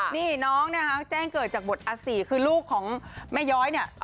นี่น้องนะคะแจ้งเกิดจากบทอาศีคือลูกของแม่ย้อยเนี่ย